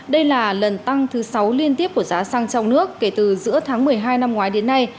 đây là lần tăng thứ sáu liên tiếp của giá xăng trong nước kể từ giữa tháng một mươi hai năm ngoái đến nay